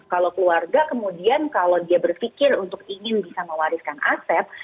kalau keluarga kemudian kalau dia berpikir untuk ingin bisa mewariskan aset